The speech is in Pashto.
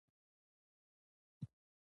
د افغانستان په منظره کې د کابل سیند ښکاره ده.